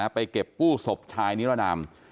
ไปเก็บกู้ศพชายนิรนาม